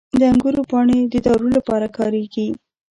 • د انګورو پاڼې د دارو لپاره کارېږي.